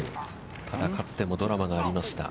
ただこつちもドラマがありました。